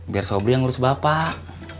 biar sobri yang ngurus bapak